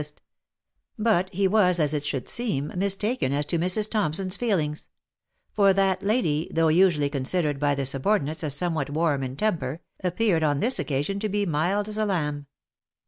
26 THE LIFE AND ADVENTURES But he was, as it should seem, mistaken as to Mrs. Thompson's feelings ; for that lady, though usually considered by the subordi nates as somewhat warm in temper, appeared on this occasion to be as mild as a lamb.